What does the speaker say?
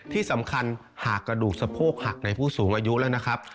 ที่สำคัญหากกระดูกสะโพกหักในผู้สูงอายุแล้วนะครับ